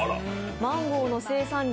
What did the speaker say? マンゴーの生産量